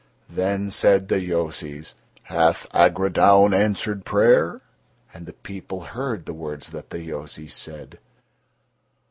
Then said the Yozis: "Hath Agrodaun answered prayer?" And the people heard the words that the Yozis said.